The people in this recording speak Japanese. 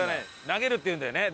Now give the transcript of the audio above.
投げるって言うんだよね。